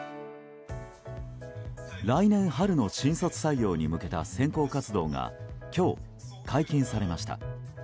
来年初の新卒採用に向けた選考活動が今日、解禁されました。